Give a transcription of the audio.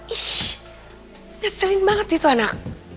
ih ngeselin banget itu anak